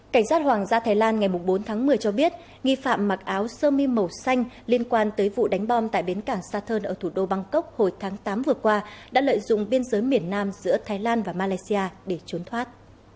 cảnh sát hoàng gia thái lan ngày bốn tháng một mươi cho biết nghi phạm mặc áo sơ mi màu xanh liên quan tới vụ đánh bom tại bến cảng sathern ở thủ đô bangkok hồi tháng tám vừa qua đã lợi dụng biên giới miền nam giữa thái lan và malaysia để trốn thoát